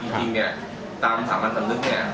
จริงจริงเนี่ยตามสรรพสำหรับคำนึงเนี่ย